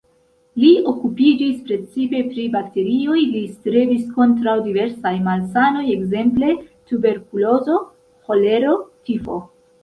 Li okupiĝis precipe pri bakterioj, li strebis kontraŭ diversaj malsanoj, ekzemple tuberkulozo, ĥolero, tifo.